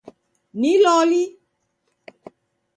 Ni loli ?